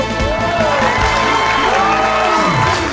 สู้